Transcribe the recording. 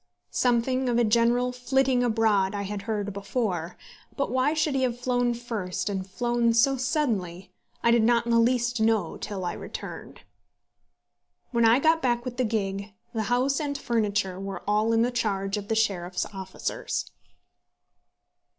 Something of a general flitting abroad I had heard before, but why he should have flown the first, and flown so suddenly, I did not in the least know till I returned. When I got back with the gig, the house and furniture were all in the charge of the sheriff's officers.